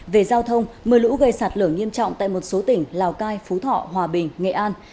về giao thông mờ lũ gây sạt lở nghiêm trọng tại một số tỉnh lào cai phú thọ hòa bình nghệ an